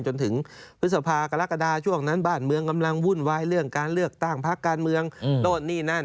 จนถึงพฤษภากรกฎาช่วงนั้นบ้านเมืองกำลังวุ่นวายเรื่องการเลือกตั้งพักการเมืองโน่นนี่นั่น